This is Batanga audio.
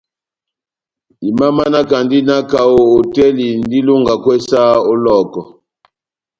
Imamanakandi na kaho hotɛli jɔ́ndi ilongakwɛ saha ó Lɔhɔkɔ.